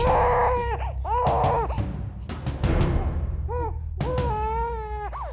aku mau ke rumah